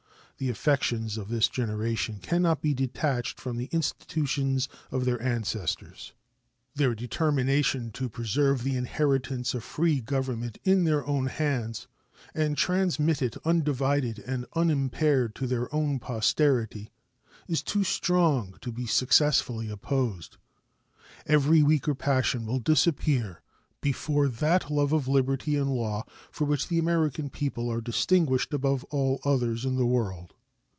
The affections of this generation can not be detached from the institutions of their ancestors. Their determination to preserve the inheritance of free government in their own hands and transmit it undivided and unimpaired to their own posterity is too strong to be successfully opposed. Every weaker passion will disappear before that love of liberty and law for which the American people are distinguished above all others in the world.